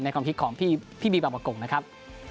ในความคิดของพี่บีบะโกงนะครับ